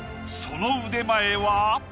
その腕前は？